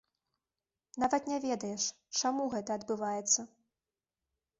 Нават не ведаеш, чаму гэта адбываецца.